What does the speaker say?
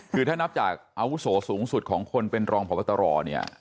คือถ้านับจากอาวุโสสูงสุดของคนเป็นรองพบตรเนี่ย